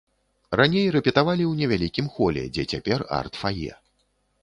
Раней рэпетавалі ў невялікім холе, дзе цяпер арт-фае.